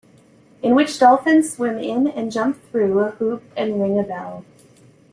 In which dolphins swim in and jump through a hoop and ring a bell.